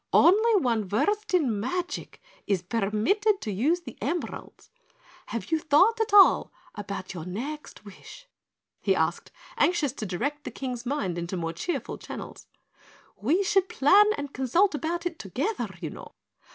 Only one versed in magic is permitted to use the emeralds. Have you thought at all about your next wish?" he asked, anxious to direct the King's mind into more cheerful channels. "We should plan and consult about it together, you know.